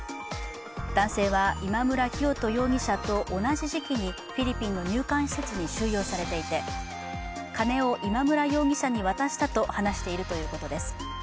男性は今村磨人容疑者と同じ時期にフィリピンの入管施設に収容されていて、金を今村容疑者に渡したと話しているということです。